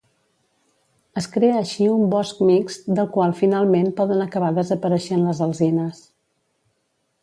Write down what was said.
Es crea així un bosc mixt del qual finalment poden acabar desapareixent les alzines.